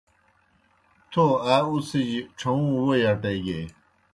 تھو آ اُڅِھجیْ ڇھہُوں ووئی اٹیگیئی۔